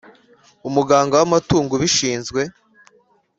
Umuganga w amatungo ubishinzwe